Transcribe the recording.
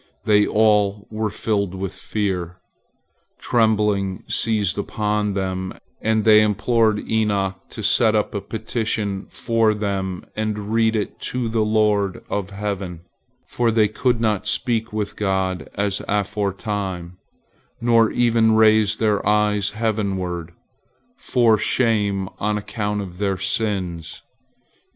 They all were filled with fear. Trembling seized upon them, and they implored Enoch to set up a petition for them and read it to the Lord of heaven, for they could not speak with God as aforetime, nor even raise their eyes heavenward, for shame on account of their sins.